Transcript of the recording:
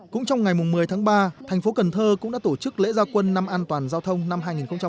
cũng trong ngày một mươi tháng ba thành phố cần thơ cũng đã tổ chức lễ gia quân năm an toàn giao thông năm hai nghìn một mươi chín